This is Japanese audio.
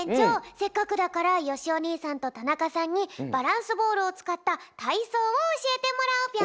せっかくだからよしお兄さんと田中さんにバランスボールをつかったたいそうをおしえてもらうぴょん。